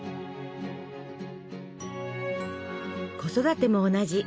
子育ても同じ。